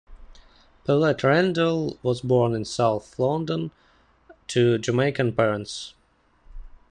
Paulette Randall was born in south London to Jamaican parents.